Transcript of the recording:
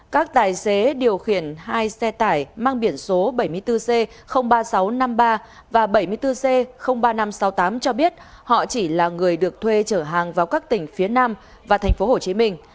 các tài xế điều khiển hai xe tải mang biển số bảy mươi bốn c ba nghìn sáu trăm năm mươi ba và bảy mươi bốn c ba nghìn năm trăm sáu mươi tám cho biết họ chỉ là người được thuê trở hàng vào các tỉnh phía nam và thành phố hồ chí minh